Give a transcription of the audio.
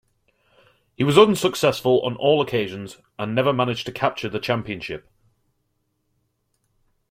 He was unsuccessful on all occasions, and never managed to capture the championship.